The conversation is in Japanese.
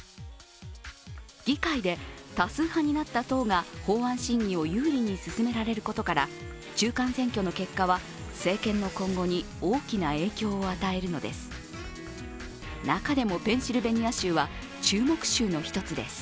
議会で多数派になった党が法案審議を有利に進められることから中間選挙の結果は政権の今後に大きな影響を与えるのです。